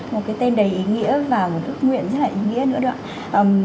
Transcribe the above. một cái tên đầy ý nghĩa và một ước nguyện rất là ý nghĩa nữa ạ